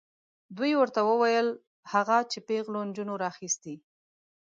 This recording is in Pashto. دوی ورته وویل هغه چې پیغلو نجونو راخیستې.